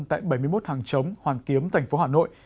tại bảy mươi một hàng chống hoàn kiếm tp hà nội